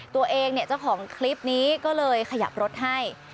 ตัวเองเนี่ยเจ้าของคลิปนี้ก็เลยขยับรถให้